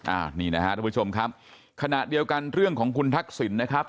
อ่านี่นะฮะทุกผู้ชมครับขณะเดียวกันเรื่องของคุณทักษิณนะครับ